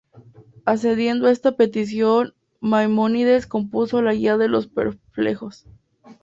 Accediendo a esta petición, Maimónides compuso la "Guía de los Perplejos".